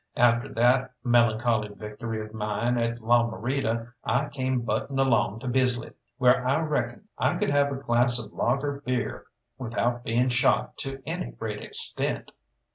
After that melancholy victory of mine at La Morita I came butting along to Bisley, where I reckoned I could have a glass of lager beer without being shot to any great extent.